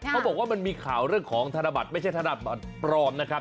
เขาบอกว่ามันมีข่าวเรื่องของธนบัตรไม่ใช่ธนบัตรปลอมนะครับ